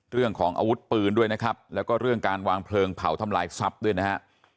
เรื่องของอาวุธปืนด้วยนะครับแล้วก็เรื่องการวางเพลิงเผาทำลายทรัพย์ด้วยนะฮะ